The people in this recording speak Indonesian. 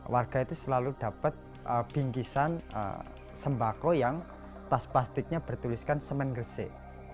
warga itu selalu dapat bingkisan sembako yang tas plastiknya bertuliskan semen gresik